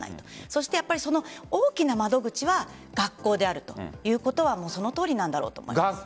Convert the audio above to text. そしてその大きな窓口は学校であるということはそのとおりなんだろうと思います。